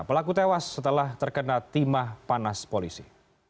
pelaku tewas setelah terkena timah panas polisi